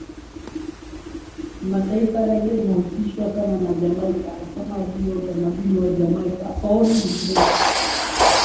Kimataifa Rege inahusishwa sana na Jamaica alisema waziri wa utamaduni wa Jamaica Olive Grange